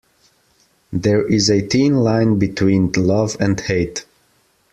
There is a thin line between love and hate.